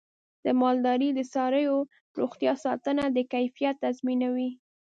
د مالدارۍ د څارویو روغتیا ساتنه د کیفیت تضمینوي.